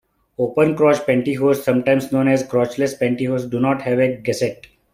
Open-crotch pantyhose, sometimes known as crotchless pantyhose, do not have a gusset.